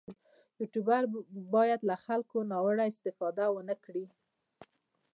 یوټوبر باید له خلکو ناوړه استفاده ونه کړي.